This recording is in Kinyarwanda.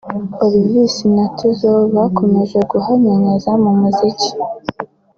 Olivis na Tizzo bakomeje guhanyanyaza mu muziki